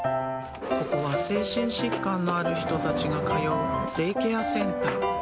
ここは精神疾患のある人たちが通うデイケアセンター。